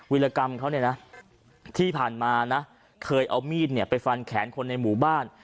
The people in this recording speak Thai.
วิรกรรมเขาเนี่ยนะที่ผ่านมานะเคยเอามีดเนี่ยไปฟันแขนคนในหมู่บ้าน